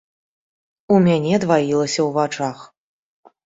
У мяне дваілася ў вачах.